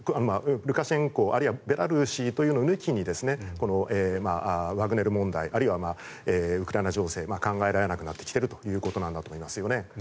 ルカシェンコ、あるいはベラルーシというのを抜きにワグネル問題あるいはウクライナ情勢は考えられなくなってきているんだと思います。